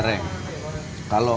yakup itu ditulis